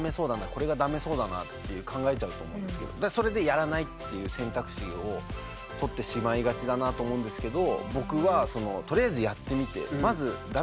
これがダメそうだなって考えちゃうと思うんですけどそれでやらないっていう選択肢をとってしまいがちだなと思うんですけど